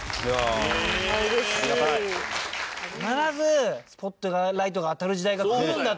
必ずスポットライトが当たる時代が来るんだ。